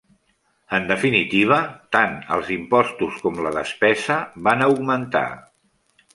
En definitiva, tant els impostos com la despesa van augmentar.